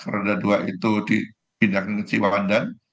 roda dua itu dipindahkan ke cibawandan